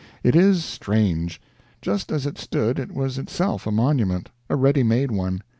It is strange. Just as it stood, it was itself a monument; a ready made one.